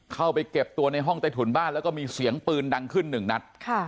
เข้าไปเก็บตัวในห้องใต้ถุนบ้านแล้วก็มีเสียงปืนดังขึ้นหนึ่งนัด